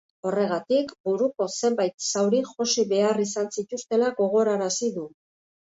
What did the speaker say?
Horregatik, buruko zenbait zauri josi behar izan zituztela gogorarazi du.